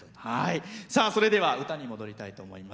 それでは歌に戻りたいと思います。